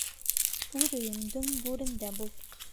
Үҙ өйөңдөң гүрендә бул.